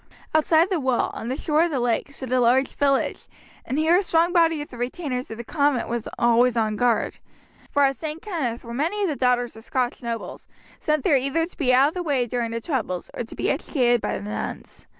Outside the wall, on the shore of the lake, stood a large village; and here a strong body of the retainers of the convent were always on guard, for at St. Kenneth were many of the daughters of Scotch nobles, sent there either to be out of the way during the troubles or to be educated by the nuns.